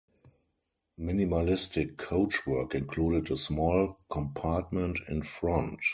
Minimalistic coachwork included a small compartment in front.